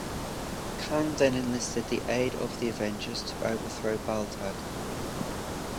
Kang then enlisted the aid of the Avengers to overthrow Baltag.